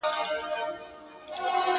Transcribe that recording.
o پر ما به اور دغه جهان ســـي گــــرانــــي.